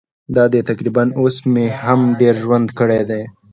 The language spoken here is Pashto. دا دی تقریباً اوس مې هم ډېر ژوند کړی دی.